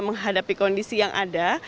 menghadapi kondisi yang ada